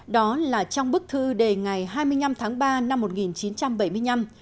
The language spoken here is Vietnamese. đó là trong bức thư đề ngày hai mươi năm tháng ba năm một nghìn chín trăm bảy mươi năm